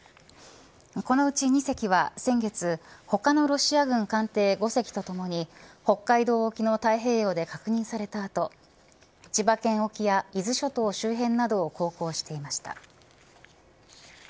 このうち２隻は先月他のロシア軍艦艇５隻とともに北海道沖の太平洋で確認された後千葉県沖や伊豆諸島周辺などを航行していました。